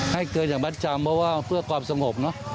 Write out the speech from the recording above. ให้เงินจากบัตรจำเพราะว่าเพื่อความสงบนะ